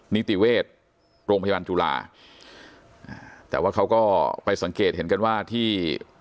นิติเวชโรงพยาบาลจุฬาแต่ว่าเขาก็ไปสังเกตเห็นกันว่าที่